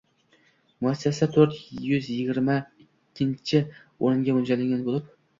Muassasa to'rt yuz yigirma ikkinchi o‘ringa mo‘ljallangan bo‘lib